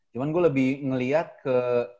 cuman gue lebih ngeliat ke